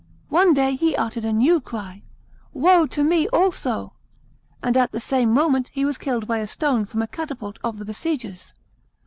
One day he uttered a new cry, " Woe to me also !" and at the same moment he was killed by a stone from a catapult of the besiegers.